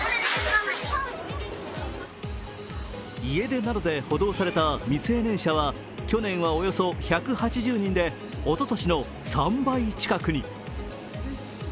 家出などで補導された未成年者は去年はおよそ１８０人で、おととしの３倍近くに。